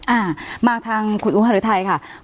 อ่ามาทางคุณอุฮารุทัยค่ะ